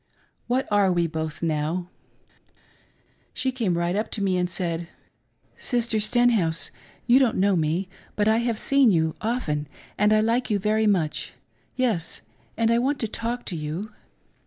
What are we both now ? She came right up to me, and said, " Mrs. Stenhouse, you don't know me, but I have seen you often, and I like you very much — ^yes, and I want to talk to you."